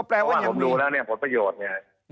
เพราะว่าผมดูแล้วเนี่ยผลประโยชน์เนี่ย